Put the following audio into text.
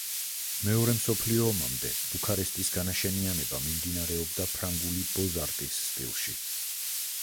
მეორე მსოფლიო ომამდე ბუქარესტის განაშენიანება მიმდინარეობდა ფრანგული ბოზ-არტის სტილში.